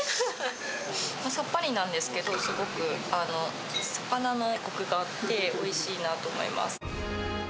さっぱりなんですけど、すごく魚のこくがあって、おいしいなと思います。